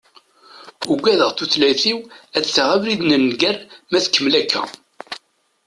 Uggadeɣ tutlayt-iw ad taɣ abrid n nnger ma tkemmel akka.